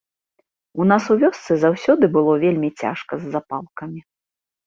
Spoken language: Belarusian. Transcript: У нас у вёсцы заўсёды было вельмі цяжка з запалкамі.